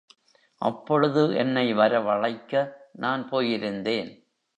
அப்பொழுது என்னை வரவழைக்க, நான் போயிருந்தேன்.